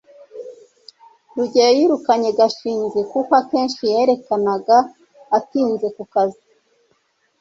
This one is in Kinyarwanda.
rugeyo yirukanye gashinzi kuko akenshi yerekanaga atinze ku kazi